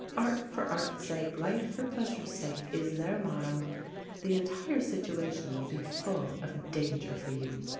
"Art for art's sake, life for pleasure's sake," is their motto. The entire situation will be full of danger for you.